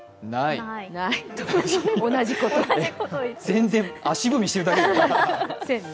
全然、足踏みしてるだけ。